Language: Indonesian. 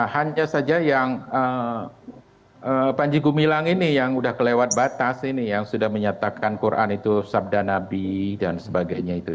hanya saja yang panji gumilang ini yang sudah kelewat batas ini yang sudah menyatakan quran itu sabda nabi dan sebagainya itu